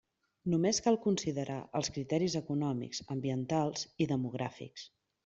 Només cal considerar els criteris econòmics, ambientals i demogràfics.